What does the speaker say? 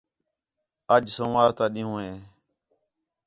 اَڄ سوموار تا ݙِین٘ہوں ہے